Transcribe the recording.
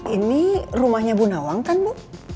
ini rumahnya bu nawang kan bu